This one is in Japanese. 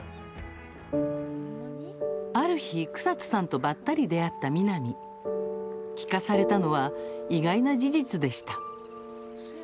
ある日、草津さんとばったりと出会った美海聞かされたのは意外な事実でした。